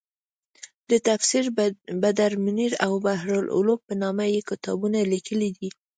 د تفسیر بدرمنیر او بحرالعلوم په نامه یې کتابونه لیکلي دي.